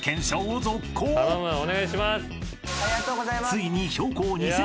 ［ついに］